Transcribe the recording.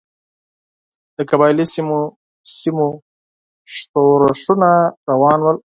د قبایلي سیمو ښورښونه روان ول.